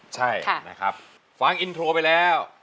ใช่นะครับฟังอินโทรว่าไปเลย